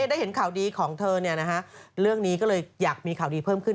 ได้เห็นข่าวดีของเธอเรื่องนี้ก็เลยอยากมีข่าวดีเพิ่มขึ้น